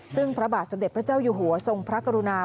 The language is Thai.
ซึ่งพระบาทสมเด็จพระเจ้าอยู่หัวทรงพระกรุณา